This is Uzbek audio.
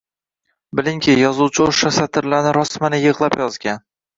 bilingki, yozuvchi o’sha satrlarni rosmana yig’lab yozgan…